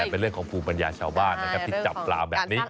เป็นเรื่องของภูมิปัญญาชาวบ้านนะครับที่จับปลาแบบนี้